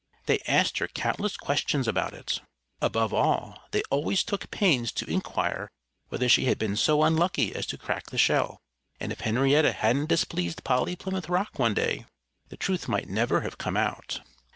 They asked her countless questions about it. Above all, they always took pains to inquire whether she had been so unlucky as to crack the shell. And if Henrietta hadn't displeased Polly Plymouth Rock one day, the truth might never have come out.